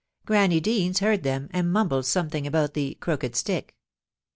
Granny Deans heard them, and mumbled something about the 'crooked stick.